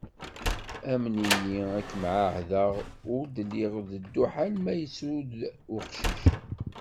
Amen-iyi, ad kem-ɛahdeɣ ur dliɣ i dduḥ alma, yettru-d uqcic.